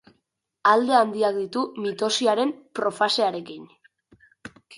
Alde handiak ditu mitosiaren profasearekin.